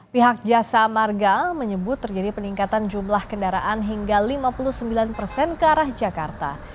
pihak jasa marga menyebut terjadi peningkatan jumlah kendaraan hingga lima puluh sembilan persen ke arah jakarta